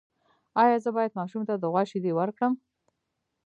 ایا زه باید ماشوم ته د غوا شیدې ورکړم؟